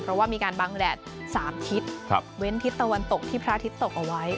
เพราะว่ามีการบังแดด๓ทิศเว้นทิศตะวันตกที่พระอาทิตย์ตกเอาไว้